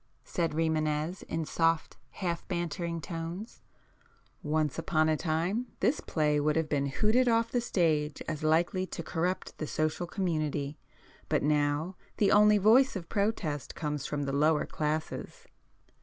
said Rimânez in soft half bantering tones—"Once upon a time this play would have been hooted off the stage as likely to corrupt the social community. But now the only voice of protest comes from the 'lower' classes."